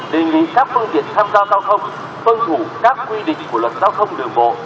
đề nghị các phương tiện tham gia giao thông tuân thủ các quy định của luật giao thông đường bộ